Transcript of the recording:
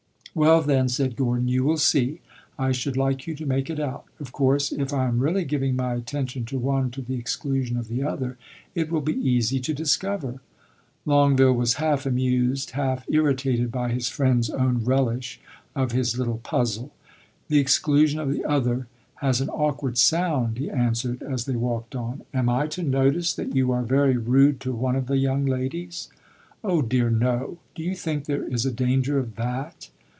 "Well, then," said Gordon, "you will see. I should like you to make it out. Of course, if I am really giving my attention to one to the exclusion of the other, it will be easy to discover." Longueville was half amused, half irritated by his friend's own relish of his little puzzle. "'The exclusion of the other' has an awkward sound," he answered, as they walked on. "Am I to notice that you are very rude to one of the young ladies?" "Oh dear, no. Do you think there is a danger of that?"